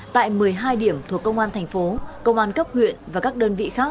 tại một mươi hai điểm thuộc công an thành phố công an cấp huyện và các đơn vị khác